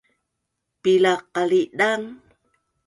bilaq qalidang